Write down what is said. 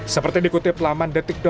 seperti dikutip laman